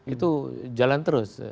itu jalan terus